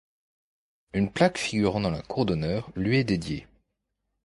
Une plaque figurant dans la cour d’honneur lui est dédiée.